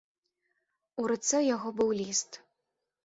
У руцэ ў яго быў ліст.